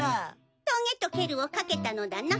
「トゲ」と「蹴る」をかけたのだな。